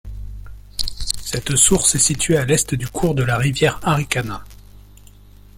Cette source est située à à l’Est du cours de la rivière Harricana.